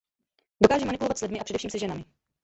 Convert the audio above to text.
Dokáže manipulovat s lidmi a především se ženami.